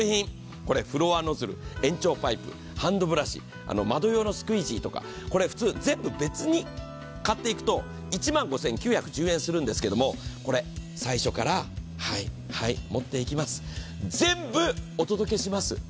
これ、フロアノズル、延長パイプ、ハンドブラシ、全部普通に買っていくと１万５９１０円するんですけど、最初から持っていきます、全部お届けします。